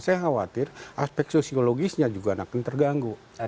saya khawatir aspek sosiologisnya juga akan terganggu